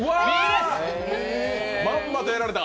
まんまとやられた！